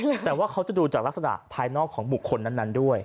หมายถึงว่าเขาจะดูจากลักษณะภายนอกของบุคคลนั้นด้วย